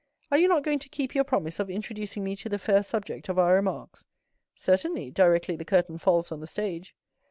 Are you not going to keep your promise of introducing me to the fair subject of our remarks?" "Certainly, directly the curtain falls on the stage."